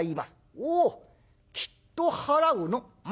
「おおきっと払うのう。